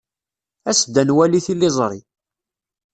As-d ad nwali tiliẓri.